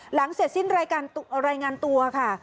หลังเสร็จสิ้นรายงานตัวค่ะ